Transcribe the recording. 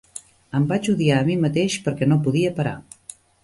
Em vaig odiar a mi mateix perquè no podia parar.